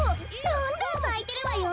どんどんさいてるわよ。